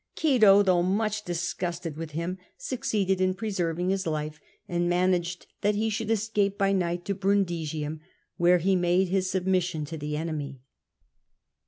Cato, though much disgusted with him, succeeded in preserving his life, and managed that he should escape by night to Brundisium, where he made his submission to the enemy.